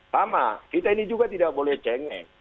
sama kita ini juga tidak boleh cengek